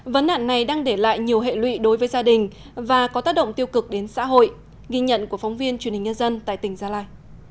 vấn nạn này đang để lại nhiều hệ lụy đối với gia đình và có tác động tiêu cực đến xã hội ghi nhận của phóng viên truyền hình nhân dân tại tỉnh gia lai